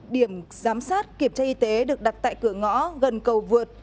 điểm giám sát kiểm tra y tế được đặt tại cửa ngõ gần cầu vượt